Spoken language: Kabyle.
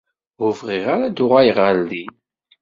Ur bɣiɣ ara ad d-uɣaleɣ ɣer din.